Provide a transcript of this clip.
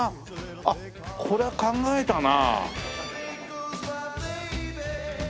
あっこりゃ考えたな。